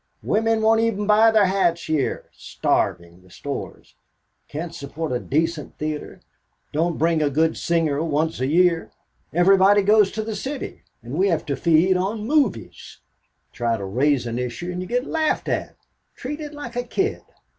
Women won't even buy their hats here starving the stores. Can't support a decent theater don't bring a good singer once a year. Everybody goes to the city, and we have to feed on movies. "Try to raise an issue, and you get laughed at. Treated like a kid.